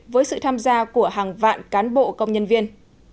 với sự tham gia của hàng vạn cán bộ công nhân viên